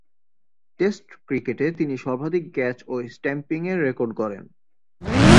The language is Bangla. টেস্ট ক্রিকেটে তিনি সর্বাধিক ক্যাচ ও স্ট্যাম্পিংয়ের রেকর্ড গড়েন।